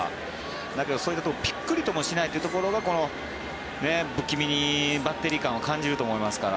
だけどそういうのにピクリともしないというのは不気味にバッテリー感を感じると思いますから。